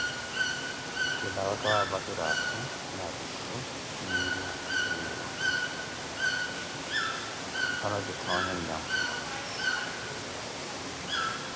Kilawe kawaapakire atthu, na vitthu kiina ziriiwo, aphano kithoonye nyamphula.